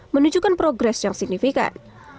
menunjukkan progres yang signifikan